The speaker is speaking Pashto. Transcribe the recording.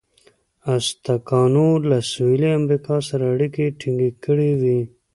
ازتکانو له سویلي امریکا سره اړیکې ټینګې کړې وې.